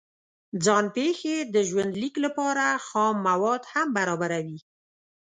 ځان پېښې د ژوند لیک لپاره خام مواد هم برابروي.